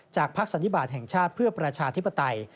พักสันนิบาทแห่งชาติเพื่อประชาธิปไตย